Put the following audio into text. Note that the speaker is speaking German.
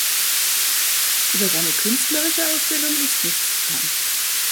Über seine künstlerische Ausbildung ist nichts bekannt.